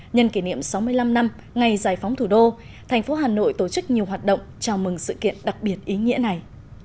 nhân kỷ niệm sáu mươi năm năm ngày giải phóng thủ đô thành phố hà nội tổ chức nhiều hoạt động chào mừng sự kiện đặc biệt ý nghĩa này